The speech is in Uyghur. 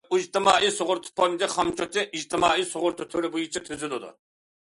ئىجتىمائىي سۇغۇرتا فوندى خامچوتى ئىجتىمائىي سۇغۇرتا تۈرى بويىچە تۈزۈلىدۇ.